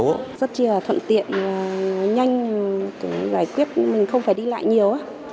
rất là thuận tiện nhanh để giải quyết mình không phải đi lại nhiều